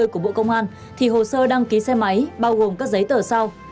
hai nghìn hai mươi của bộ công an thì hồ sơ đăng ký xe máy bao gồm các giấy tờ sau